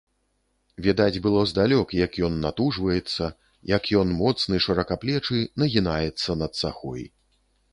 Відаць было здалёк, як ён натужваецца, як ён, моцны, шыракаплечы, нагінаецца над сахой.